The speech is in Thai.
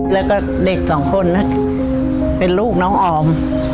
แล้วก็เด็กสองคนนั้นเป็นลูกน้องออม